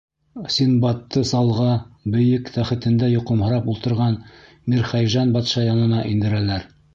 Синдбадты залға, бейек тәхетендә йоҡомһорап ултырған Мирхәйжән батша янына индерәләр.